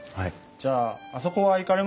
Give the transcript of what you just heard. じゃああそこは行かれましたか？